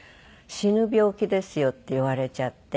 「死ぬ病気ですよ」って言われちゃって。